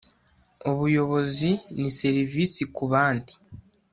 ubuyobozi ni serivisi ku bandi